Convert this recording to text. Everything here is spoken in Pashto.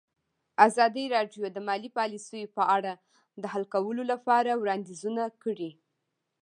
ازادي راډیو د مالي پالیسي په اړه د حل کولو لپاره وړاندیزونه کړي.